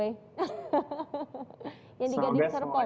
yang diganti serpon